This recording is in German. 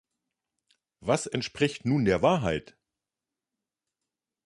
Was entspricht nun der Wahrheit?